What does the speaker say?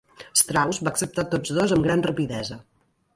Strauss va acceptar tots dos amb gran rapidesa.